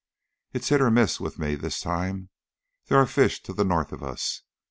It's hit or miss with me this time. There are fish to the north of us.